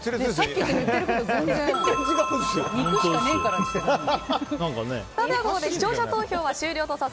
さっきから言ってることが全然肉しかねえからとか言ってたのに。